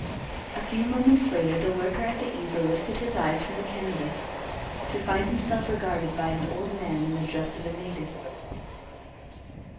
A few moments later, the worker at the easel lifted his eyes from the canvas to find himself regarded by an old man in the dress of a native.